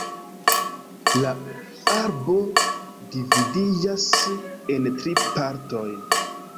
La arbo dividiĝas en tri partoj.